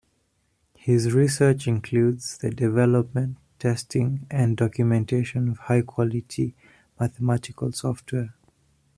His research includes the development, testing and documentation of high-quality mathematical software.